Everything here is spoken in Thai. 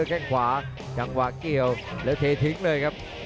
แค่งขวาจังหวะเกี่ยวแล้วเททิ้งเลยครับ